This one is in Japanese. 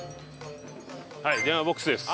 はい電話ボックスです。